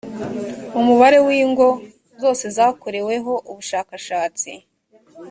umubare w ingo zose zakoreweho ubushakashatsi